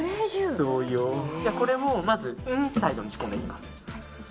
これをまずインサイドに仕込んでいきます。